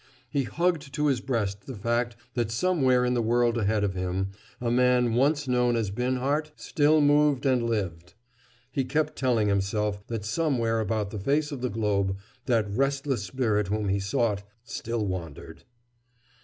He hugged to his breast the fact that somewhere in the world ahead of him a man once known as Binhart still moved and lived. He kept telling himself that somewhere about the face of the globe that restless spirit whom he sought still wandered.